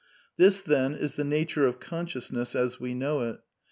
This then is the nature of consciousness as we know it.